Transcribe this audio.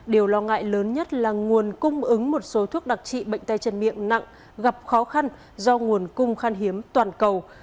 điều lo ngại lớn nhất là nguồn cung ứng một số thuốc đặc trị bệnh tay chân miệng nặng gặp khó khăn do nguồn cung khan hiếm toàn cầu